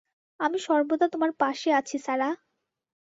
আমি সর্বদা তোমার পাশে আছি, সারাহ।